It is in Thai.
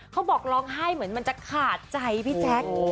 บอกร้องไห้เหมือนมันจะขาดใจพี่แจ๊ค